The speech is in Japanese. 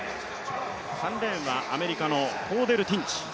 ３レーンはアメリカのティンチ。